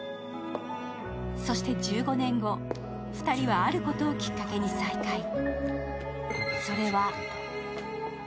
そして１５年後、２人はあることをきっかけに再会。